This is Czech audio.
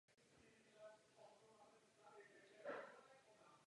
Nebezpečný a zároveň více pravděpodobný je přenos jedovaté šťávy do očí.